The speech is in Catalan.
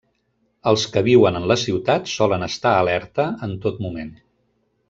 Els que viuen en la ciutat, solen estar alerta en tot moment.